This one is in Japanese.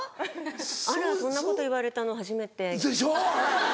あらそんなこと言われたの初めて。でしょ。